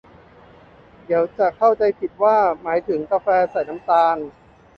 เดี๋ยวจะเข้าใจผิดว่าหมายถึงกาแฟใส่น้ำตาล